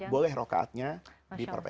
boleh rokaatnya diperbanyak